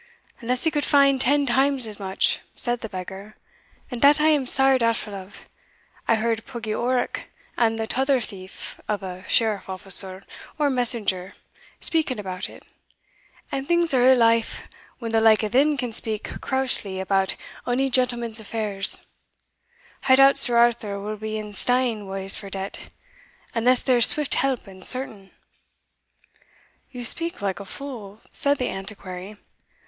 "Unless he could find ten times as much," said the beggar, "and that I am sair doubtful of; I heard Puggie Orrock, and the tother thief of a sheriff officer, or messenger, speaking about it and things are ill aff when the like o' them can speak crousely about ony gentleman's affairs. I doubt Sir Arthur will be in stane wa's for debt, unless there's swift help and certain." "You speak like a fool," said the Antiquary.